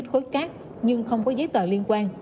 khối cát nhưng không có giấy tờ liên quan